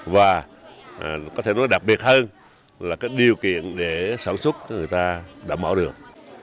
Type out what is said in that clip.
và có thể nói đặc biệt hơn là cái điều kiện để sản xuất người ta đảm bảo được